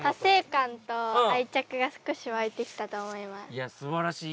いやすばらしい。